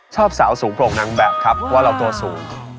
ชอบสาวสูงโปร่งนางแบบครับเพราะว่าเราตัวสูง